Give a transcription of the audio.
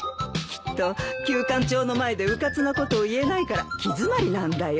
きっとキュウカンチョウの前でうかつなことを言えないから気詰まりなんだよ。